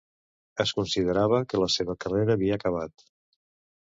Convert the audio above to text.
Es considerava que la seva carrera havia acabat.